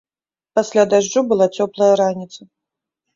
Пасля дажджу была цёплая раніца.